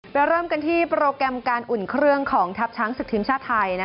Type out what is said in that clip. เริ่มกันที่โปรแกรมการอุ่นเครื่องของทัพช้างศึกทีมชาติไทย